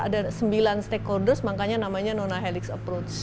ada sembilan stakeholders makanya namanya nonahelix approach